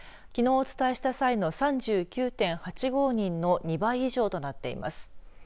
きのうお伝えした際の３９．８５人の２倍以上となっています。